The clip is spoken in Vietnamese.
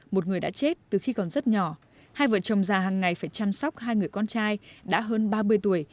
một người đã chết từ khi còn rất nhỏ hai vợ chồng già hàng ngày phải chăm sóc hai người con trai đã hơn ba mươi tuổi